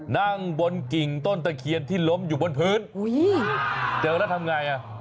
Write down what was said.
นั่งบนกิ่งต้นตะเคียนที่ล้มอยู่บนพื้นเจอแล้วทำไงอ่ะ